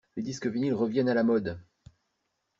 Les disques vynils reviennent à la mode.